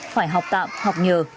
phải học tạm học nhờ